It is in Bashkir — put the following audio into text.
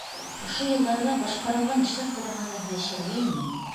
Ошо йылдарҙа башҡарылған эштәр тураһында һөйләшергә ине.